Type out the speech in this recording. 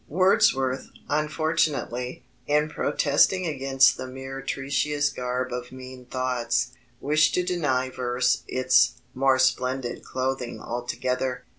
Wordsworth, unfortunately, in protesting against the meretricious garb of mean thoughts, wished to deny verse its more splendid clothing altogether.